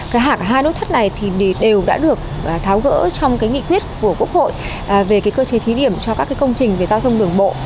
cái hạng hai nốt thắt này đều đã được tháo gỡ trong nghị quyết của quốc hội về cơ chế thí điểm cho các công trình về giao thông đường bộ